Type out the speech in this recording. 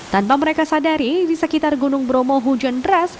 tanpa mereka sadari di sekitar gunung bromo hujan deras